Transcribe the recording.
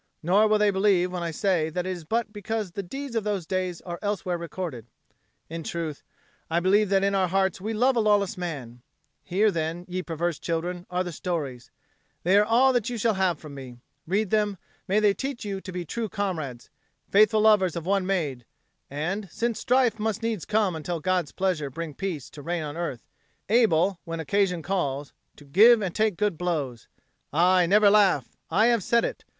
Nor will they believe when I say that it is but because the deeds of those days are elsewhere recorded. In good truth, I believe that in our hearts we love a lawless man! Here, then, ye perverse children, are the stories; they are all that you shall have from me. Read them; may they teach you to be true comrades, faithful lovers of one maid, and, since strife must needs come until God's pleasure bring peace to reign on earth, able, when occasion calls, to give and take good blows. Aye, never laugh. I have said it.